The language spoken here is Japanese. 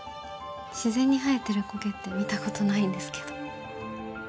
自然に生えてる苔って見たことないんですけど。